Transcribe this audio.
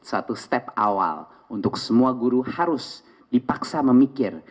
satu step awal untuk semua guru harus dipaksa memikir